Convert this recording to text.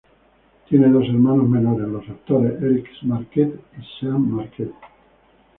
Tiene dos hermanos menores, los actores Eric Marquette y Sean Marquette.